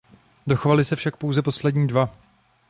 Dochovaly se však pouze poslední dva.